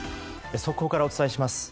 速報からお伝えします。